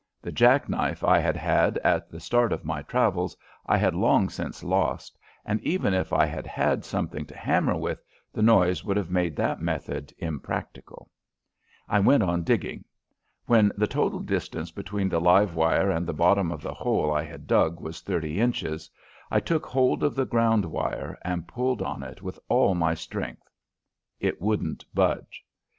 The jack knife I had had at the start of my travels I had long since lost, and even if I had had something to hammer with, the noise would have made that method impracticable. I went on digging. When the total distance between the live wire and the bottom of the hole I had dug was thirty inches I took hold of the ground wire and pulled on it with all my strength. It wouldn't budge.